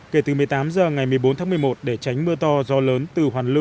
kể từ một mươi tám h ngày một mươi bốn tháng một mươi một để tránh mưa